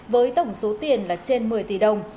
với tổng số tiền là trên một mươi tỷ đồng